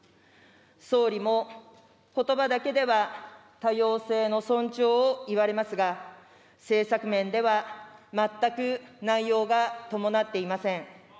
総理も、ことばだけでは多様性の尊重を言われますが、政策面では全く内容が伴っていません。